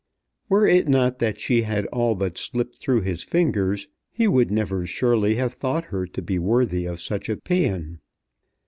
Were it not that she had all but slipped through his fingers he would never surely have thought her to be worthy of such a pæan.